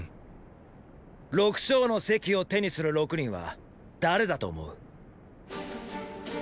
六将の席を手にする六人は誰だと思う。